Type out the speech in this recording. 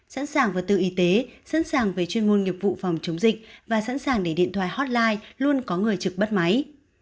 sẵn sàng vật tư y tế sẵn sàng về chuyên môn nghiệp vụ phòng chống dịch và sẵn sàng để điện thoại hotline luôn có người trực bắt máy